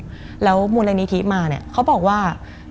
มันกลายเป็นรูปของคนที่กำลังขโมยคิ้วแล้วก็ร้องไห้อยู่